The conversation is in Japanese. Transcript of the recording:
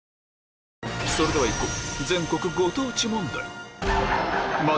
それではいこう！